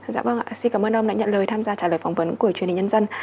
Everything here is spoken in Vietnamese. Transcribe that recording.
xin cảm ơn ông đã nhận lời tham gia trả lời phỏng vấn của truyền hình nhân dân